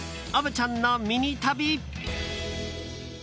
虻ちゃんのミニ旅。